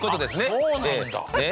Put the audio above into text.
あそうなんだ。